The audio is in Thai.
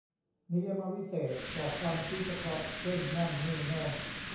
นิยมวิเศษณ์ บอกความชี้เฉพาะ เช่น นั่น นี่ โน่น